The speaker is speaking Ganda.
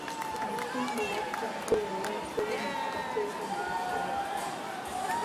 Omukungu yafudde olw'ensobi mu kubateeka gye bakola.